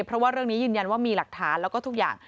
เพราะว่าเรื่องนี้ยืนยันว่ามีหลักฐานแล้วก็ทุกอย่าง